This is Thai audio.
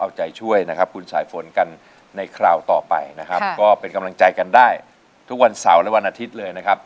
เอาใจช่วยนะครับคุณสายฝนกันในคราวต่อไปนะครับก็เป็นกำลังใจกันได้ทุกวันเสาร์และวันอาทิตย์เลยนะครับ